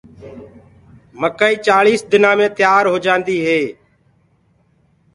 مڪآئي چآݪيس دنآ مي تيآر هوجآندي هي۔